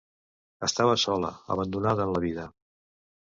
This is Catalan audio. Estava sola, abandonada en la vida.